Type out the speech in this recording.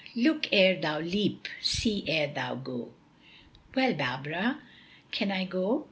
"Look ere thou leap, see ere thou go." "Well, Barbara, can I go?"